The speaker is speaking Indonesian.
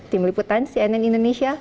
tim liputan cnn indonesia